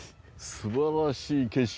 すばらしい景色。